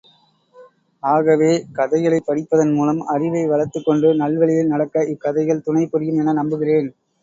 ஆகவே, கதைகளைப் படிப்பதன் மூலம் அறிவை வளர்த்துக்கொண்டு நல்வழியில் நடக்க இக் கதைகள் துணை புரியும் என நம்புகிறேன்.